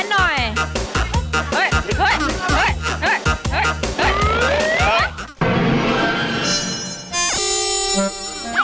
เฮ้ยเฮ้ย